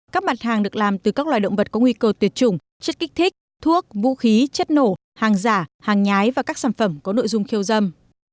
các mặt hàng được làm từ các loài động vật có nguy cơ tuyệt chủng chất kích thích thuốc vũ khí chất nổ hàng giả hàng nhái và các sản phẩm có nội dung khiêu dâm